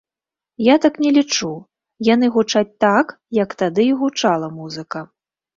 Я так не лічу, яны гучаць так, як тады і гучала музыка.